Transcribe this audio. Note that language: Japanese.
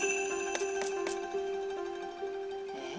「えっ？」